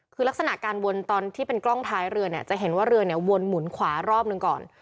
คือลักษณะการวนตอนที่เป็นกล้องท้ายเรือเนี่ยจะเห็นว่าเรือเนี่ยวนหมุนขวารอบหนึ่งก่อน